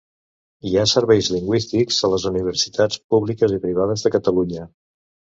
Hi ha serveis lingüístics a les universitats públiques i privades de Catalunya.